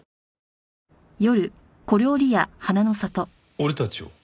俺たちを？